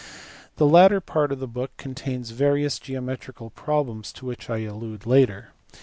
The latter part of the book contains various geometrical problems to which I allude later.